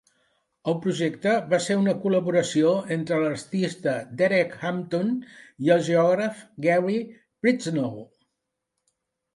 El projecte va ser una col·laboració entre l'artista Derek Hampson i el geògraf Gary Priestnall.